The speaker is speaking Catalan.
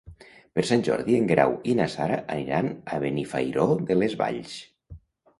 Per Sant Jordi en Guerau i na Sara aniran a Benifairó de les Valls.